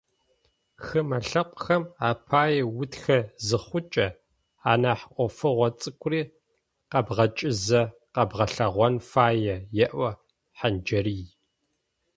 «Хымэ лъэпкъхэм апае утхэ зыхъукӏэ, анахь ӏофыгъо цӏыкӏури кӏэбгъэкӏызэ къэбгъэлъэгъон фае», - еӏо Хъанджэрый.